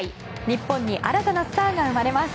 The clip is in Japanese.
日本に新たなスターが生まれます。